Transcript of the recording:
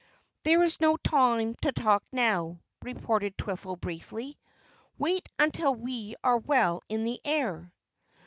"There is no time to talk now," retorted Twiffle briefly. "Wait until we are well in the air."